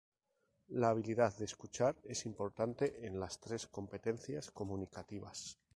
La habilidad de escuchar es importante en las tres competencias comunicativas.